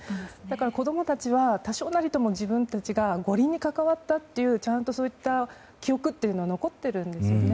子供たちは多少なりとも自分たちが五輪に関わったというちゃんとそういった記憶は残っているんですよね。